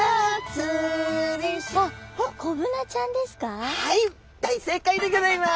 あっはい大正解でギョざいます。